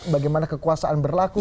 bagaimana kekuasaan berlaku